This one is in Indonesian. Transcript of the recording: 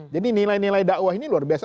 jadi nilai nilai dakwah ini luar biasa